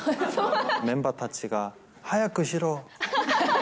メンバーたちが早くしろ！